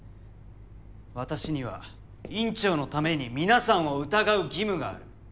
私には院長のために皆さんを疑う義務がある。